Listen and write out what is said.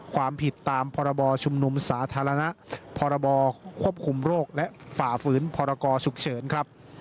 ความผิดตามพรบชุมนุมสาธารณะพรบควบคุมโรคและฝ่าฝืนพรกรฉุกเฉินครับ